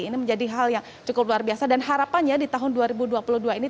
ini menjadi hal yang cukup luar biasa dan harapannya di tahun dua ribu dua puluh dua ini